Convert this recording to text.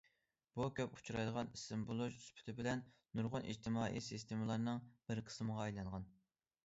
بۇ كۆپ ئۇچرايدىغان ئىسىم بولۇش سۈپىتى بىلەن، نۇرغۇن ئىجتىمائىي سىستېمىلارنىڭ بىر قىسمىغا ئايلانغان.